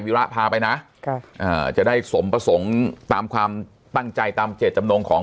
วิราชพาไปนะจะได้สมประสงค์ตามความตั้งใจตามเจ็ดจำนงของ